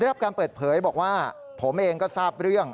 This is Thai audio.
รับการเปิดเผยบอกว่าผมเองก็ทราบเรื่อง